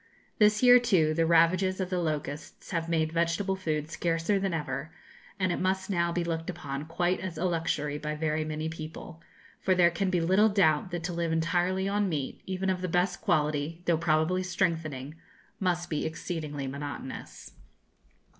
This year, too, the ravages of the locusts have made vegetable food scarcer than ever, and it must now be looked upon quite as a luxury by very many people; for there can be little doubt that to live entirely on meat, even of the best quality, though probably strengthening, must be exceedingly monotonous.